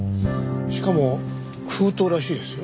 しかも封筒らしいですよ。